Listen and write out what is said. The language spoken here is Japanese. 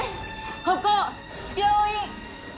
ここ病院！